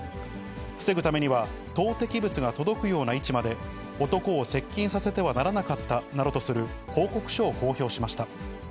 防ぐためには、投てき物が届くような位置まで、男を接近させてはならなかったなどとする報告書を公表しました。